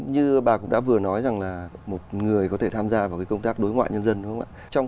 như bà cũng đã vừa nói rằng là một người có thể tham gia vào cái công tác đối ngoại nhân dân đúng không ạ